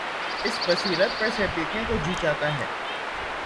اس بصیرت پر سر پیٹنے کو جی چاہتا ہے۔